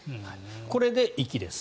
これで行きです。